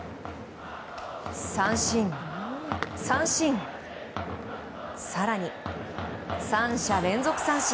三振、三振、更に３者連続三振。